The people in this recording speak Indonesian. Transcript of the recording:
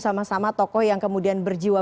sama sama tokoh yang kemudian berjiwa